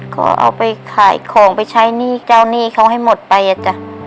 ก็เอาไปขายของไปใช้หนี้เจ้าหนี้เขาให้หมดไปอ่ะจ้ะ